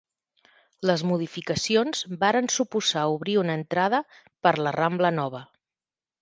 Les modificacions varen suposar obrir una entrada per la Rambla Nova.